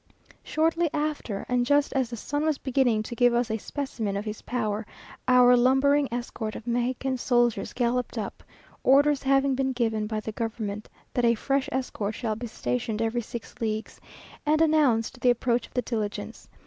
Shortly after, and just as the sun was beginning to give us a specimen of his power, our lumbering escort of Mexican soldiers galloped up (orders having been given by the government that a fresh escort shall be stationed every six leagues) and announced the approach of the diligence.